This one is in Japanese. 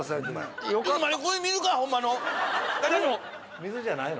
水じゃないの？